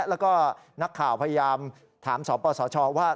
แล้วก็นักข่าวพยายามถามสปสชว่า